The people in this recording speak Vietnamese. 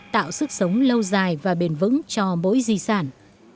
tạo sức sống lâu dài và bền vững cho mỗi di sản